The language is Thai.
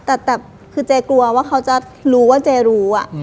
แต่คือเจกลัวว่าเขาจะรู้ว่าเจรู้